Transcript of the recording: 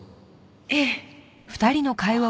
ええ。